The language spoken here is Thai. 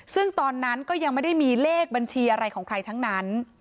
ซึ่งตอนนั้นก็ยังไม่ได้มีเลขบัญชีอะไรของใครทั้งนั้น